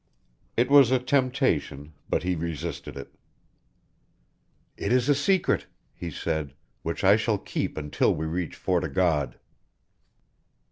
It was a temptation, but he resisted it. "It is a secret," he said, "which I shall keep until we reach Fort o' God."